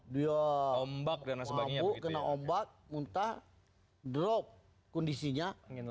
dia ombak kena ombak muntah drop kondisinya